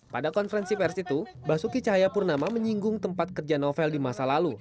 pada konferensi pers itu basuki cahayapurnama menyinggung tempat kerja novel di masa lalu